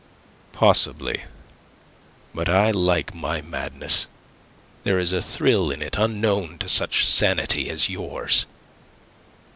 "Possibly. But I like my madness. There is a thrill in it unknown to such sanity as yours.